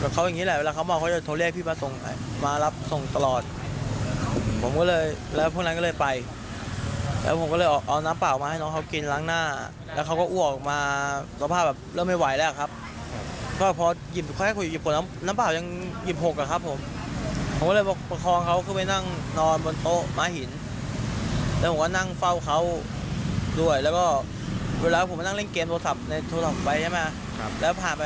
เขาด้วยแล้วก็เวลาผมนั่งเล่นเกมโทรศัพท์ในโทรศัพท์ไปใช่ไหมครับแล้วผ่านไป